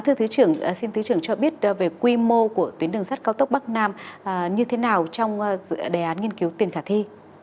thưa thứ trưởng xin thứ trưởng cho biết về quy mô của tuyến đường sắt cao tốc bắc nam như thế nào trong đề án nghiên cứu tiền khả thi